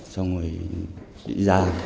xong rồi đi ra